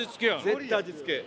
絶対味付け。